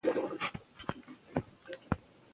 ازادي راډیو د بهرنۍ اړیکې په اړه د بریاوو مثالونه ورکړي.